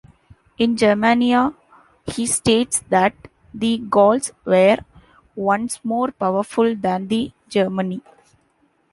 In "Germania" he states that the Gauls were once more powerful than the Germani.